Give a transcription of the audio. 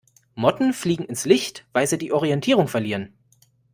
Motten fliegen ins Licht, weil sie die Orientierung verlieren.